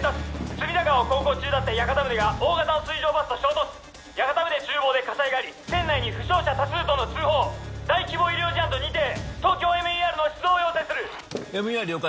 隅田川を航行中だった屋形船が大型の水上バスと衝突屋形船厨房で火災があり船内に負傷者多数との通報大規模医療事案と認定ＴＯＫＹＯＭＥＲの出動を要請するＭＥＲ了解